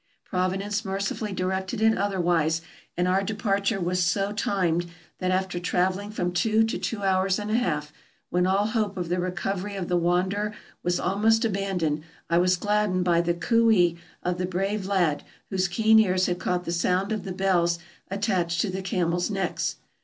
Providence mercifully directed it otherwise, and our departure was so timed that, after traveling from two to two hours and a half, when all hope of the recovery of the wanderer was almost abandoned, I was gladdened by the " cooee " of the brave lad, whose keen ears had caught the sound of the bells at tached to the camels' necks.